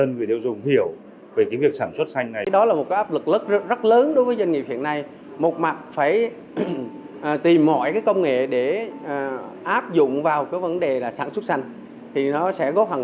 nhiều ngành công nghiệp đang gặp nhiều khó khăn